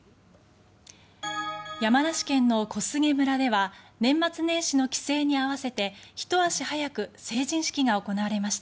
山梨県の小菅村では年末年始の帰省に合わせてひと足早く成人式が行われました。